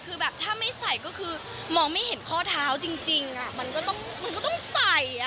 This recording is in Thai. คือแบบถ้าไม่ใส่ก็คือมองไม่เห็นข้อเท้าจริงมันก็ต้องมันก็ต้องใส่